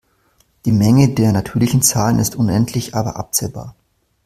Die Menge der natürlichen Zahlen ist unendlich aber abzählbar.